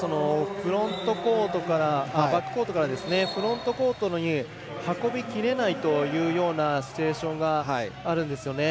あとは、バックコートからフロントコートに運びきれないというようなシチュエーションがあるんですよね。